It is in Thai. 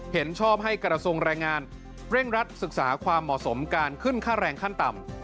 เห็นชอบให้กระทรวงแรงงานเร่งรัดศึกษาความเหมาะสมการขึ้นค่าแรงขั้นต่ำ